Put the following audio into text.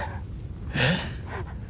えっ？